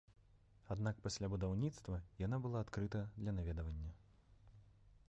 Аднак пасля будаўніцтва яна была адкрыта для наведвання.